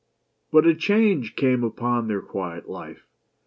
But a change came upon their quiet life.